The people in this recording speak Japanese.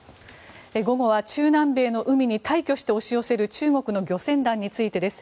午後は中南米の海に大挙して現れる中国の漁船団についてです。